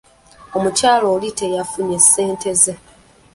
Omukyala oli teyafunye ssente ze.